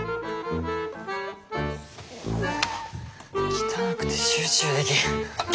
汚くて集中できん。